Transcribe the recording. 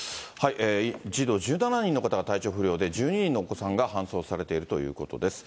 児童１７人の方が体調不良で、１２人のお子さんが搬送されているということです。